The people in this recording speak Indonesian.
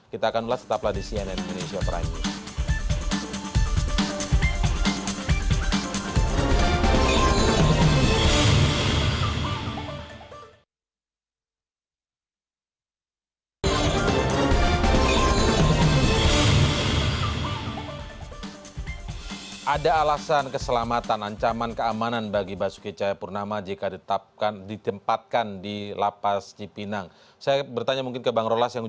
kita akan ulas setelah di cnn indonesia prime news